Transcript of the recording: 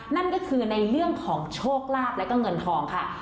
นั่นก็คือในเรื่องของโชคลาภแล้วก็เงินทองค่ะ